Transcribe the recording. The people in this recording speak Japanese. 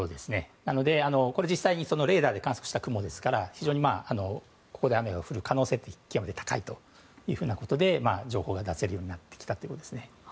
なので、これは実際にレーダーで観測した雲ですからここで雨が降る可能性は極めて高いということで情報が出せるようになってきたんです。